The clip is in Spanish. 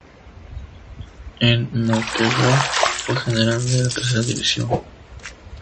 En Moquegua fue General de la Tercera División.